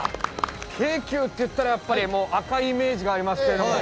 京急って言ったらやっぱりもう赤いイメージがありますけども。